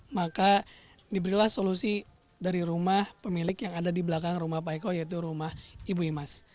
maka diberilah solusi dari rumah pemilik yang ada di belakang rumah pak eko yaitu rumah ibu imas